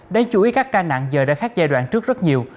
đáng chú ý các ca nặng giờ đã khác giai đoạn trước rất nhiều